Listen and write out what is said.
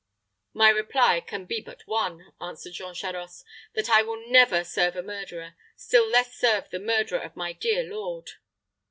"My reply can be but one," answered Jean Charost; "that I will never serve a murderer; still less serve the murderer of my dear lord."